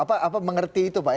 apa mengerti itu pak